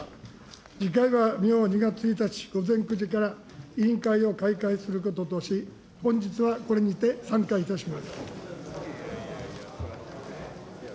次会は明２月１日午前９時から委員会を開会することとし、本日はこれにて散会いたします。